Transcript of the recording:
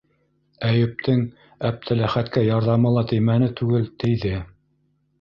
Әйүптең Әптеләхәткә ярҙамы ла теймәне түгел, тейҙе.